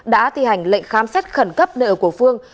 đã thi hành lệnh khám xét khẩn cấp nợ của phương